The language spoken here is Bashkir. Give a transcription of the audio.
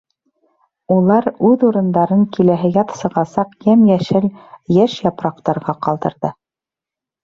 Улар үҙ урындарын киләһе яҙ сығасаҡ йәм-йәшел йәш япраҡтарға ҡалдырҙы.